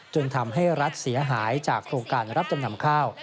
จนทำให้รัฐเสียหายจากโครงการรับจำนำข้าว